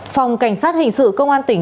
phòng cảnh sát hình sự công an tỉnh vĩnh quảng